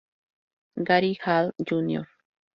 Gary Hall, Jr.